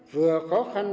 vừa khó khăn